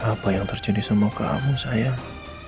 apa yang terjadi sama kamu sayang